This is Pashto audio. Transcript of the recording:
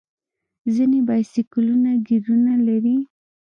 ځینې بایسکلونه ګیرونه لري.